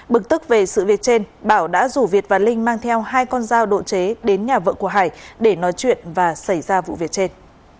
bực tức về sự việc trên bảo đã rủ việt và linh mang theo hai con dao độ chế đến nhà vợ của hải để nói chuyện và xảy ra vụ việc trên